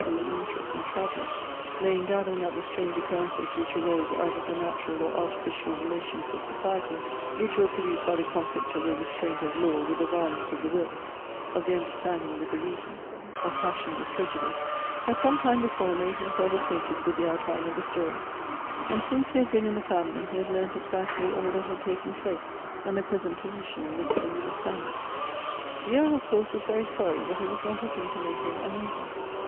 l interest in travelling lay in gathering up the strange occuri ences which arose out of the natural or artificial relations of society, which were produced by the conflict of the restraint of law with the violence of the will, of the understanding with the reason, of passion with preju dice — had some time before made himself acquainted with the outline of the story, and since he had been in the family he had learnt exactly all that had taken place, and the present position in which things were standing. The Earl, of course, was very sorry, but it was not a thing to make him uneasy.